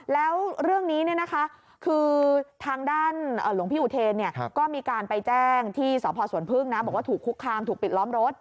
แล้วเรื่องนี้คือทางด้านหลวงพี่อุเทนก็มีการไปแจ้งที่สพสวนพึ่งนะบอกว่าถูกคุกคามถูกปิดล้อมรถ